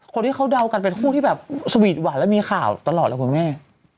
คนที่เขาเดากันเป็นคู่ที่แบบสวีทหวานและมีข่าวตลอดแล้วคุณแม่